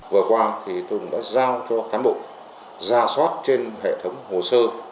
vừa qua thì tùng đã giao cho cán bộ ra soát trên hệ thống hồ sơ